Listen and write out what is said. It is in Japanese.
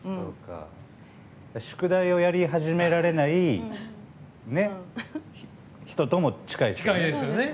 宿題をやり始められない人とも近いですよね。